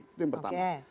itu yang pertama